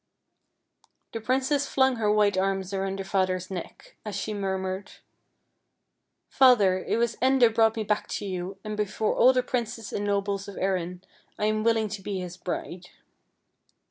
The princess flung her white arms around her father's neck, as she murmured: " Father, it was Enda brought me back to you, and before all the princes and nobles of Erin I am willing to be his bride."